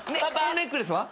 ネックレスは？